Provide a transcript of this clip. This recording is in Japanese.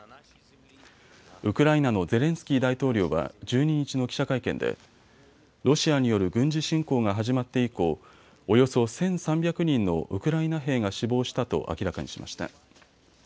ウクライナのゼレンスキー大統領は１２日の記者会見でロシアによる軍事侵攻が始まって以降、およそ１３００人のウクライナ兵が死亡したと明らかにしました。